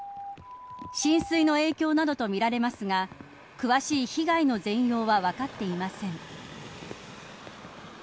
浸水の影響などとみられますが詳しい被害の全容は分かっていません。